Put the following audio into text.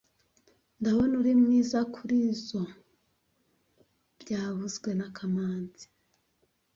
Ndabona uri mwiza kurizoi byavuzwe na kamanzi